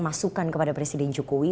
masukan kepada presiden jokowi